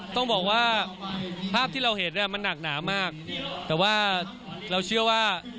ต้องบอกว่าภาพที่เราเห็นมันหนักหนามากแต่ว่าเราเชื่อว่า